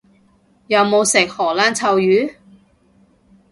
有冇食荷蘭臭魚？